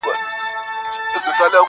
د وصال سراب ته ګورم- پر هجران غزل لیکمه-